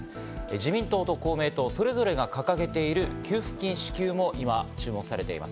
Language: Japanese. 自民党と公明党それぞれが掲げている給付金支給も今注目されています。